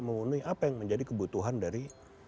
memenuhi apa yang menjadi kebutuhan dari